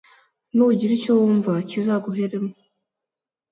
nugira icyo wumva, kizaguheremo